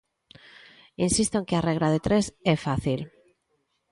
Insisto en que a regra de tres é fácil.